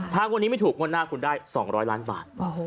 ถ้างวดนี้ไม่ถูกงวดหน้าคุณได้๒๐๐ล้านบาท